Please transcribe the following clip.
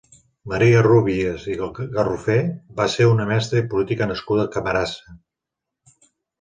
Maria Rúbies i Garrofé va ser una mestra i política nascuda a Camarasa.